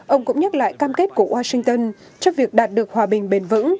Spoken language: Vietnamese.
ông cũng nhắc lại cam kết của washington cho việc đạt được hòa bình bền vững